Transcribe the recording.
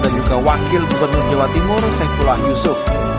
dan juga wakil gubernur jawa timur sekulah yusuf